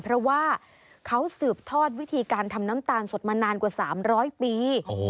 เพราะว่าเขาสืบทอดวิธีการทำน้ำตาลสดมานานกว่า๓๐๐ปี